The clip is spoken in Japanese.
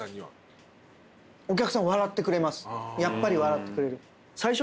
やっぱり笑ってくれる。